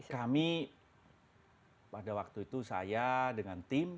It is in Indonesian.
kami pada waktu itu saya dengan tim